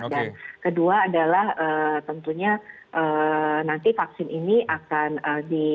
dan kedua adalah tentunya nanti vaksin ini akan diberikan